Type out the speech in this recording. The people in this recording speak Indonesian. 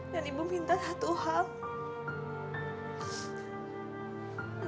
dan ibu minta satu hal